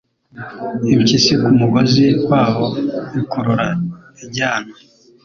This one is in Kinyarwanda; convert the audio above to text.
impyisi ku mugozi wabo ikurura ijyana,